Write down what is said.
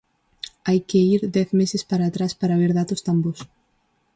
Hai que ir dez meses para atrás, para ver datos tan bos.